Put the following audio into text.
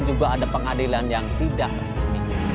juga ada pengadilan yang tidak resmi